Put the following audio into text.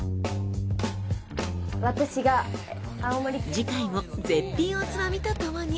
次回も絶品おつまみとともに。